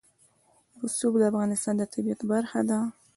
رسوب د افغانستان د طبیعت برخه ده.